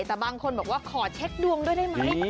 แต่บางคนบอกว่าขอเช็คดวงด้วยได้ไหม